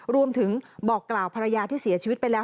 บอกกล่าวภรรยาที่เสียชีวิตไปแล้ว